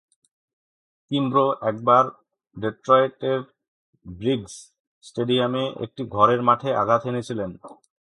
Kimbrough একবার ডেট্রয়েটের Briggs স্টেডিয়ামে একটি ঘরের মাঠে আঘাত হেনেছিল।